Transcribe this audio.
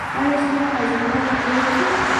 ایا زما عضلات روغ دي؟